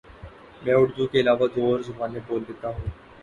میں اردو کے علاوہ دو اور زبانیں بول لیتا ہوں